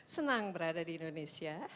senang berada di indonesia